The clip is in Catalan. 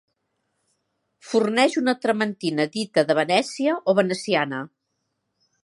Forneix una trementina dita de Venècia o veneciana.